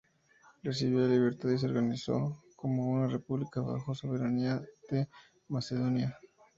Recibió la libertad y se organizó como una república bajo soberanía de Macedonia.